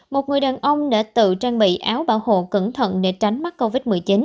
một người đàn ông đã tự trang bị áo bảo hộ cẩn thận để tránh mắc covid một mươi chín